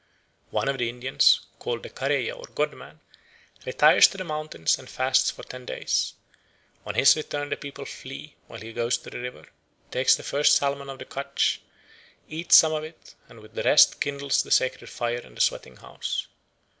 One of the Indians, called the Kareya or God man, retires to the mountains and fasts for ten days. On his return the people flee, while he goes to the river, takes the first salmon of the catch, eats some of it, and with the rest kindles the sacred fire in the sweating house.